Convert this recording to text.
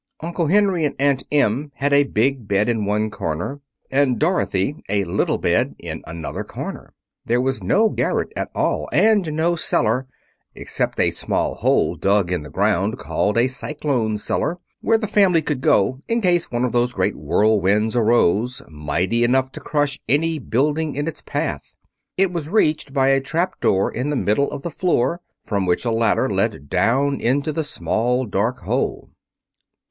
Uncle Henry and Aunt Em had a big bed in one corner, and Dorothy a little bed in another corner. There was no garret at all, and no cellar—except a small hole dug in the ground, called a cyclone cellar, where the family could go in case one of those great whirlwinds arose, mighty enough to crush any building in its path. It was reached by a trap door in the middle of the floor, from which a ladder led down into the small, dark hole.